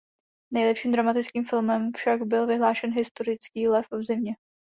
Nejlepším dramatickým filmem však byl vyhlášen historický "Lev v zimě".